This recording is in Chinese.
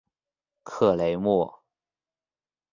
克雷莫。